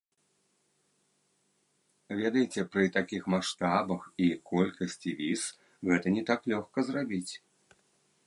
Ведаеце, пры такіх маштабах і колькасці віз гэта не так лёгка зрабіць.